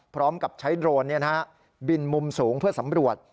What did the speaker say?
พร้อมกับใช้โดรนบินมุมสูงเพื่อสำรวจ